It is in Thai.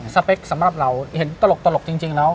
สเปคสำหรับเราเห็นตลกจริงแล้ว